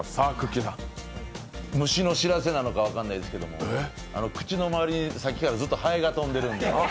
虫の知らせなのか分かんないですけど口の周り、さっきからずっとはえが飛んでるんで。